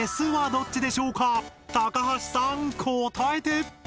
高橋さん答えて！